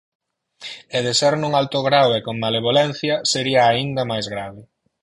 E de ser nun alto grao e con malevolencia, sería áinda máis grave.